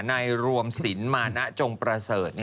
รวมสินมานะจงประเสริฐ